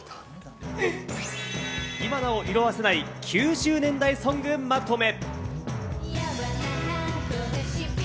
今も色あせない、９０年代ソングまとめ。